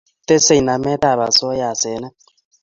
Tesei nametab osoya asenet